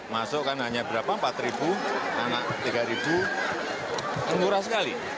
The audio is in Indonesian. masuk kan hanya berapa empat anak tiga murah sekali